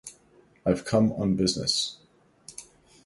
I’ve come on business.